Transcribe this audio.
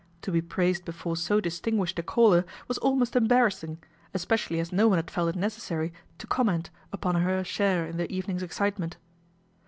To be praised before so distinguished a caller was almost embarrassing, especially as no one had felt it necessary to comment upon her share in the evening's excitement.